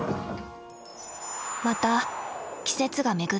また季節が巡った。